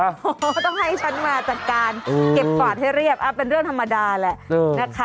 โอ้โหต้องให้ฉันมาจัดการเก็บกวาดให้เรียบเป็นเรื่องธรรมดาแหละนะคะ